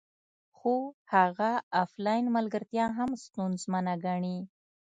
خو هغه افلاین ملګرتیا هم ستونزمنه ګڼي